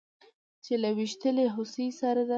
چې له ويشتلې هوسۍ سره د